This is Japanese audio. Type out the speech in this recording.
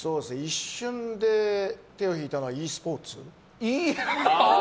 一瞬で手を引いたのはｅスポーツ。